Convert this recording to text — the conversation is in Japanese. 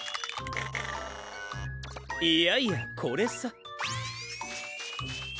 いやいやこれさ。